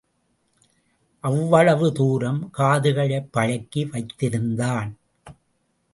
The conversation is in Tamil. அவ்வளவு தூரம் காதுகளைப் பழக்கி வைத்திருந்தான்.